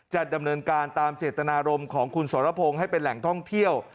จะดำเนินการตามเจตนารมณ์ของคุณสรพงศ์ให้เป็นแหล่งท่องเที่ยว